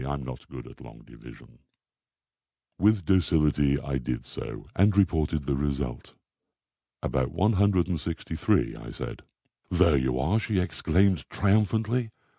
I'm not good at long division." With docility I did so, and reported the result. "About 163," I said. "There you are!" she exclaimed triumphantly.